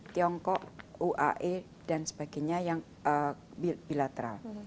tiongkok uae dan sebagainya yang bilateral